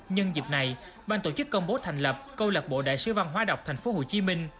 nhân dịp này ban tổ chức công bố thành lập câu lạc bộ đại sứ văn hóa đọc tp hcm